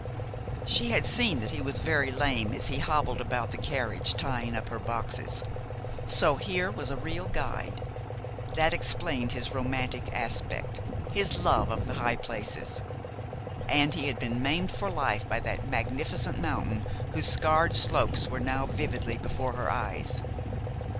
She had seen that he was very lame as he hobbled about the carriage tying up her boxes. So here was a real guide. That explained his romantic aspect, his love of the high places. And he had been maimed for life by that magnificent mountain whose scarred slopes were now vividly before her eyes.